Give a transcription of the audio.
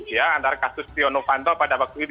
ya antara kasus tiongno panto pada waktu itu